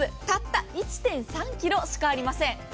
たった１．３ｋｇしかありません。